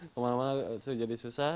kemana mana jadi susah